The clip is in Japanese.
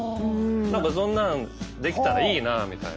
何かそんなんできたらいいなみたいな。